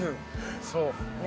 そう。